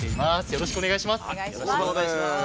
よろしくお願いします！